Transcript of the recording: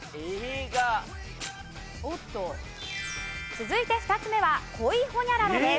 続いて２つ目は恋ホニャララです。